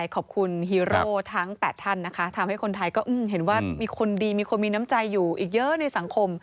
ขอบคุณฮีโร่ทั้ง๘ท่านนะคะทำให้คนไทยก็เห็นว่ามีคนดีมีคนมีน้ำใจอยู่อีกเยอะในสังคม